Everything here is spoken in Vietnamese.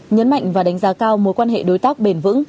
nhấn mạnh và đánh giá cao mối quan hệ đối tác bền vững